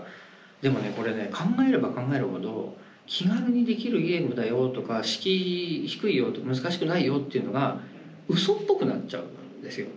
でもねこれね考えれば考えるほど「気軽にできるゲームだよ」とか「敷居低いよ」と「難しくないよ」っていうのがうそっぽくなっちゃうんですよ。